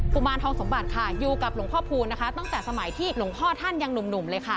มารทองสมบัติค่ะอยู่กับหลวงพ่อพูนนะคะตั้งแต่สมัยที่หลวงพ่อท่านยังหนุ่มเลยค่ะ